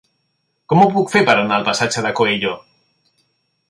Com ho puc fer per anar al passatge de Coello?